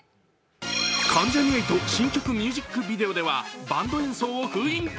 関ジャニ∞新曲ミュージックビデオではバンド演奏を封印。